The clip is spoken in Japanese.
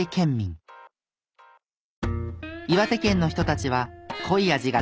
岩手県の人たちは濃い味が大好き！